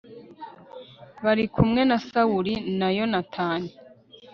bari kumwe na sawuli na yonatani